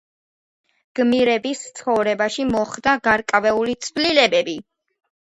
გმირების ცხოვრებაში მოხდა გარკვეული ცვლილებები.